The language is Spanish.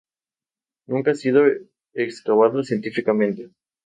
Nunca ha sido excavado científicamente.